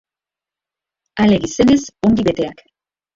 Ale gizenez ongi beteak.